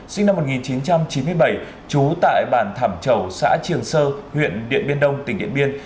sinh năm một nghìn chín trăm chín mươi bảy trú tại bản thảm chầu xã triềng sơ huyện điện biên đông tỉnh điện biên